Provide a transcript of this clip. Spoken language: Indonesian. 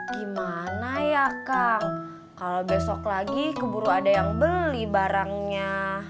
gimana ya kang kalau besok lagi keburu ada yang beli barangnya